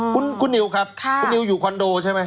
คุณนิวครับคุณนิวอยู่คอนโดใช่ไหม